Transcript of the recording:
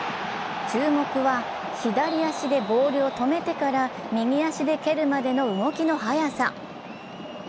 注目は、左足でボールを止めてから右足で蹴るまでの動きの速さ。